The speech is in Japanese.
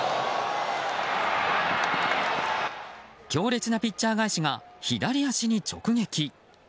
強烈なピッチャー返しが左足に直撃。